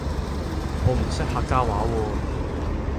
我唔識客家話喎